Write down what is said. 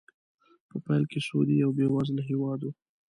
په پیل کې سعودي یو بې وزله هېواد و.